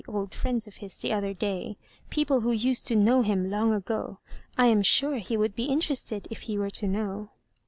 old friends of his the other day— people who used to know him long ago. I am sure he would be interested if he were to know."